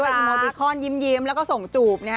ตามด้วยอิโมทิคอนยิ้มแล้วก็ส่งจูบ